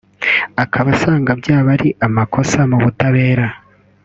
akaba asanga byaba ari amakosa mu butabera